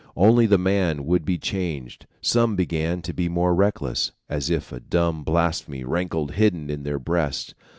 Only the man would be changed; some began to be more reckless, as if a dumb blasphemy rankled hidden in their breasts.